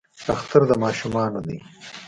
اختر د ماشومانو دی